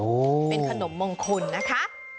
เป็นขนมมงคลนะคะ